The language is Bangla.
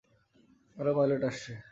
আরো পাইলট আসছে।